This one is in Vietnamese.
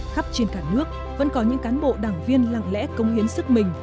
khắp trên cả nước vẫn có những cán bộ đảng viên lặng lẽ công hiến sức mình